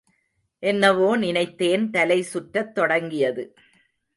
என்னவோ நினைத்தேன் தலை சுற்றத் தொடங்கியது.